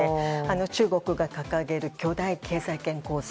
中国が掲げる巨大経済圏構想